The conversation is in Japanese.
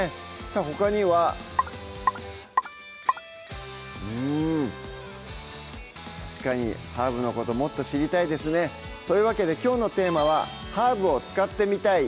さぁほかにはうん確かにハーブのこともっと知りたいですねというわけできょうのテーマは「ハーブを使ってみたい！」